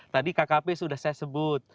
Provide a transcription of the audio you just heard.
tadi kkp sudah saya sebut